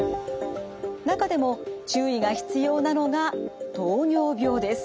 中でも注意が必要なのが糖尿病です。